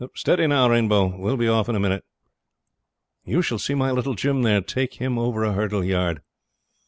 Steady, now, Rainbow, we'll be off in a minute. You shall see my little Jim there take him over a hurdle yard.